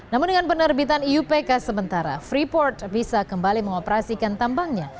namun dengan penerbitan iupk sementara freeport bisa kembali mengoperasikan tambangnya